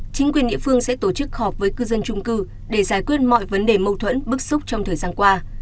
chính quyền địa phương sẽ tổ chức họp với cư dân trung cư để giải quyết mọi vấn đề mâu thuẫn bức xúc trong thời gian qua